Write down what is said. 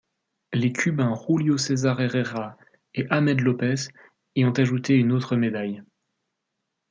Les Cubains Julio César Herrera et Ahmed López y ont ajouté une autre médaille.